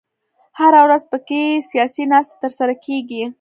هره ورځ په کې سیاسي ناستې تر سره کېږي.